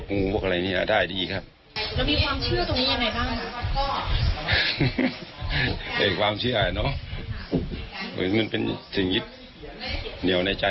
เมื่อพี่มีความเชื่อเรื่องนี้แหข่ามีเหตุการณ์ไหม